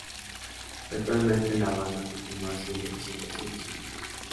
Actualmente, la banda continúa haciendo presentaciones en vivo.